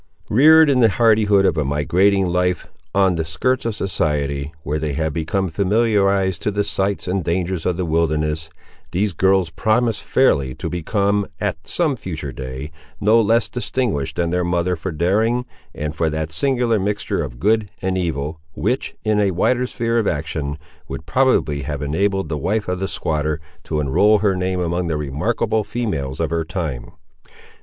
Reared in the hardihood of a migrating life, on the skirts of society, where they had become familiarised to the sights and dangers of the wilderness, these girls promised fairly to become, at some future day, no less distinguished than their mother for daring, and for that singular mixture of good and evil, which, in a wider sphere of action, would probably have enabled the wife of the squatter to enrol her name among the remarkable females of her time.